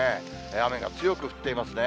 雨が強く降っていますね。